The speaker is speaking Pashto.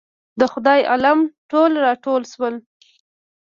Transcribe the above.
د خدای عالم ټول راټول شول.